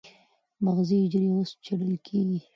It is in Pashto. مغزي حجرې اوس څېړل کېږي.